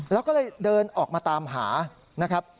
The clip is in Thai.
แล้วก็เลยเดินออกมาตามหานะครับ